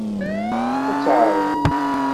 Ad teɛreḍ.